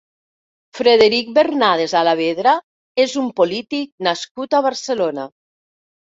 Frederic Bernades Alavedra és un polític nascut a Barcelona.